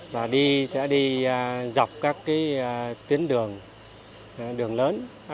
và đi sẽ đi dọc các tuyến đường đường lớn